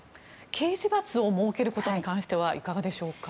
刑事罰を設けることに関してはいかがでしょうか。